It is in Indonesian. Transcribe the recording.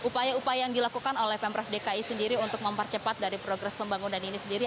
dan upaya upaya yang dilakukan oleh pemref dki sendiri untuk mempercepat dari progres pembangunan ini sendiri